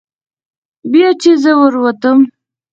بیا چې زه ور ووتم.